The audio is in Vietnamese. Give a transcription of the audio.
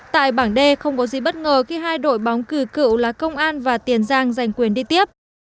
tại bảng d không có gì bất ngờ khi hai đội bóng cử cựu là công an và tiền giang giành quyền đi tiếp